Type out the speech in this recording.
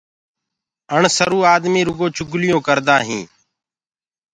اَڻسروُ آدمي رُگو چُگليونٚ ڪردآ هينٚ۔